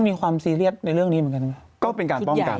มีความซีเรียสในเรื่องนี้เหมือนกันไหม